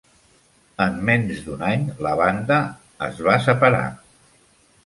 En menys d'un any, la banda es a separar.